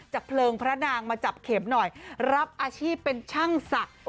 เพลิงพระนางมาจับเข็มหน่อยรับอาชีพเป็นช่างศักดิ์